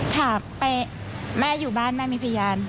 ถามไปแม่อยู่บ้านแม่มีพยาน